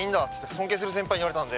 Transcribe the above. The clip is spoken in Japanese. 尊敬する先輩に言われたんで。